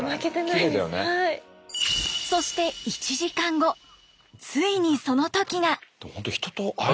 そして１時間後ついにその時が。